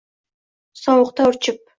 sovuqda urchib